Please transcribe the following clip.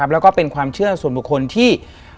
แล้วก็เป็นความเชื่อส่วนบุคคลที่